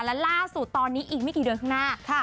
และล่าสุดตอนนี้อีกไม่กี่เดือนข้างหน้า